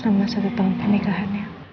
selama satu tahun pernikahannya